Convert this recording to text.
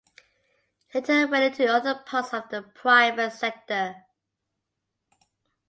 He later went into other parts of the private sector.